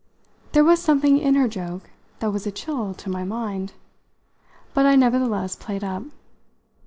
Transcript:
There was something in her joke that was a chill to my mind; but I nevertheless played up.